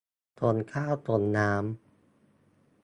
ส่งข้าวส่งน้ำ